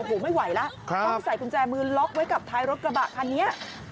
โอ้โหไม่ไหวแล้วต้องใส่กุญแจมือล็อกไว้กับท้ายรถกระบะคันนี้